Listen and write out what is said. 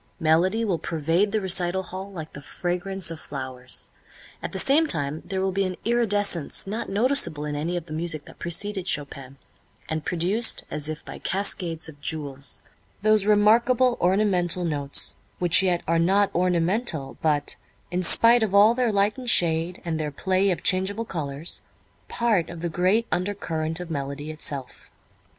Melody will pervade the recital hall like the fragrance of flowers. At the same time there will be an iridescence not noticeable in any of the music that preceded Chopin, and produced as if by cascades of jewels those remarkable ornamental notes which yet are not ornamental, but, in spite of all their light and shade, and their play of changeable colors, part of the great undercurrent of melody itself.